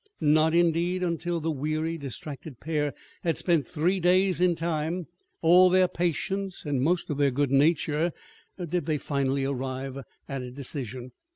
Not, indeed, until the weary, distracted pair had spent three days in time, all their patience, and most of their good nature, did they finally arrive at a decision.